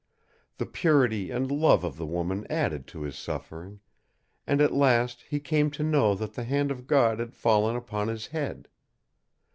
The purity and love of the woman added to his suffering, and at last he came to know that the hand of God had fallen upon his head.